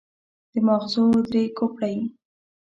د ماغزو درې کوپړۍ.